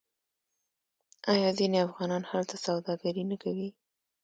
آیا ځینې افغانان هلته سوداګري نه کوي؟